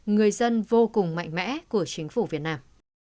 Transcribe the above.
người dân vô cùng mạnh mẽ của chính phủ việt nam